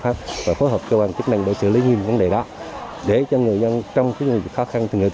pháp và phối hợp cơ quan chức năng để xử lý nhiệm vấn đề đó để cho người dân trong những khó khăn